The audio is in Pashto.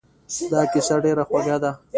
دا کیسه ډېره خوږه ده.